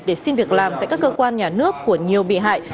để xin việc làm tại các cơ quan nhà nước của nhiều bị hại